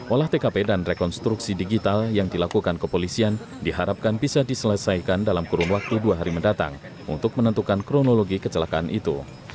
olah tkp dan rekonstruksi digital yang dilakukan kepolisian diharapkan bisa diselesaikan dalam kurun waktu dua hari mendatang untuk menentukan kronologi kecelakaan itu